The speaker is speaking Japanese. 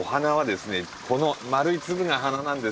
この丸い粒が花なんです。